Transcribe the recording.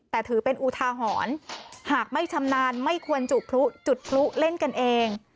แต่ถือเป็นอุทาหรณ์หากไม่ชำนาญไม่ควรจุดพลุจุดพลุเล่นกันเอง